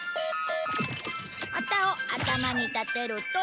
旗を頭に立てると。